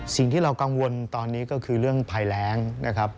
สิ่งที่เรากังวลตอนนี้ก็คือเรื่องภัยแรงนะครับ